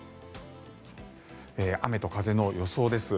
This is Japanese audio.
雨と風の予想です。